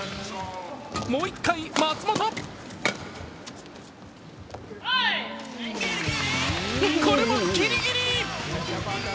もう一回、松本これもギリギリ。